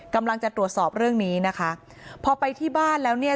กำลังจะตรวจสอบเรื่องนี้นะคะพอไปที่บ้านแล้วเนี่ย